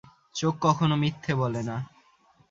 চোখ কখনো মিথ্যে বলে না।